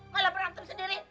kalo perang tuh sendiri